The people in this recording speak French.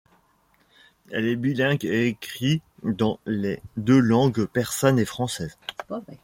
Elle est bilingue et écrit dans les deux langues persane et française.